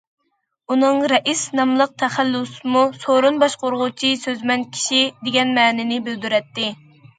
ئۇنىڭ« رەئىس» ناملىق تەخەللۇسىمۇ« سورۇن باشقۇرغۇچى سۆزمەن كىشى» دېگەن مەنىنى بىلدۈرەتتى.